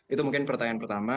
itu mungkin pertanyaan pertama